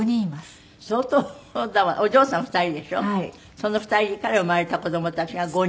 その２人から生まれた子供たちが５人？